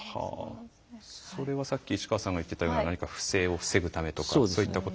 それはさっき市川さんが言っていたような何か不正を防ぐためとかそういったことが。